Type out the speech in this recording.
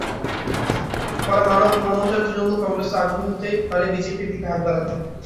ফলে, মমতার তৃণমূল কংগ্রেসও আগ্রহী হতেই পারে বিজেপির দিকে হাত বাড়াতে।